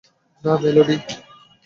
না, মেলোডি?